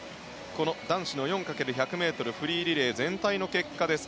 この男子の４×１００ｍフリーリレー全体の結果です。